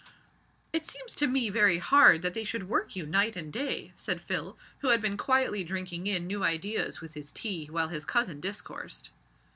"It seems to me very hard that they should work you night and day," said Phil, who had been quietly drinking in new ideas with his tea while his cousin discoursed.